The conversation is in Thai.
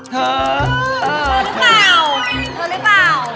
เธอหรือเปล่า